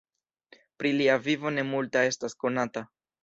Pri lia vivo ne multa estas konata.